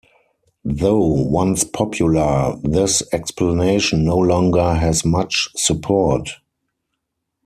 Though once popular, this explanation no longer has much support.